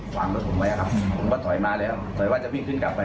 ฝั่งรถผมไว้ครับผมก็ถอยมาแล้วถอยว่าจะวิ่งขึ้นกลับไป